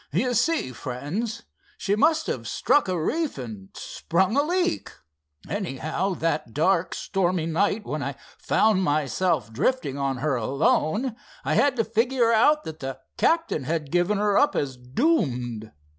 "You see, friends, she must have struck a reef and sprung a leak. Anyhow, that dark, stormy night when I found myself drifting on her alone, I had to figure out that the captain had given her up as doomed.